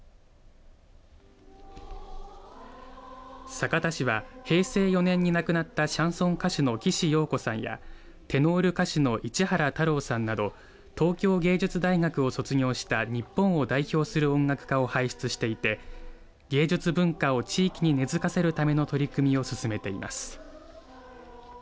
酒田市は平成４年に亡くなったシャンソン歌手の岸洋子さんやテノール歌手の市原多朗さんなど東京芸術大学を卒業した日本を代表する音楽家を輩出していて芸術文化を地域に根づかせるための取り組みを進めています。